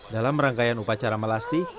dalam rangkaian upacara melasti